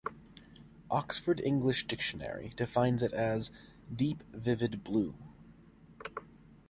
Oxford English Dictionary defines it as "deep vivid blue".